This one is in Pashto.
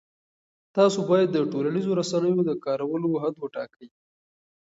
تاسو باید د ټولنیزو رسنیو د کارولو حد وټاکئ.